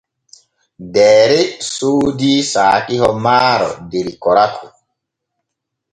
Deere soodi saakiho maaro der Koraku.